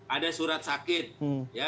ada surat sakit ya